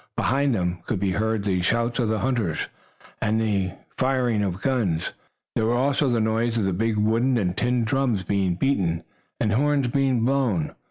Behind them could be heard the shouts of the hunters, and the firing of guns. There was also the noise of big wooden and tin drums being beaten, and horns being blown.